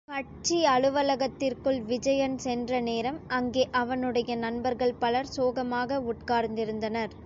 கட்சி அலுவலகத்திற்குள் விஜயன் சென்ற நேரம் அங்கே அவனுடைய நண்பர்கள் பலர் சோகமாக உட்கார்ந்திருந்தனர்.